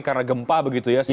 karena gempa begitu ya